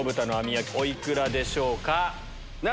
お幾らでしょうか？